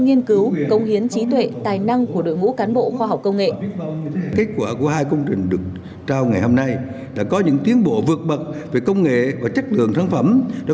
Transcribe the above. nghiên cứu công hiến trí tuệ tài năng của đội ngũ cán bộ khoa học công nghệ